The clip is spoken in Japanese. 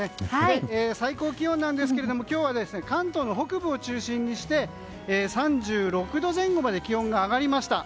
最高気温なんですけども今日は関東の北部を中心にして３６度前後まで気温が上がりました。